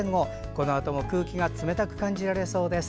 このあとも空気が冷たく感じられそうです。